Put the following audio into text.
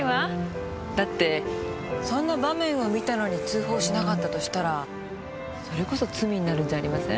だってそんな場面を見たのに通報しなかったとしたらそれこそ罪になるんじゃありません？